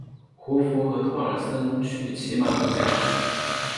胡佛和托尔森去骑马度假。